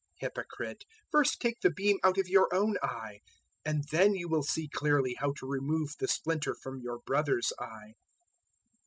007:005 Hypocrite, first take the beam out of your own eye, and then you will see clearly how to remove the splinter from your brother's eye.